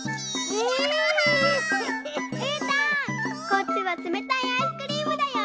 こっちはつめたいアイスクリームだよ。